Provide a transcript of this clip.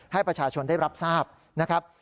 ให้ประชาชนได้รับทราบนะครับ